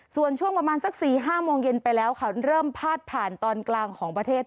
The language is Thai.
ส่วนช่วงประมาณสัก๔๕โมงเย็นไปแล้วค่ะเริ่มพาดผ่านตอนกลางของประเทศ